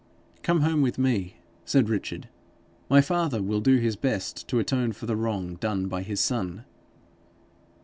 'Come home with me,' said Richard. 'My father will do his best to atone for the wrong done by his son.'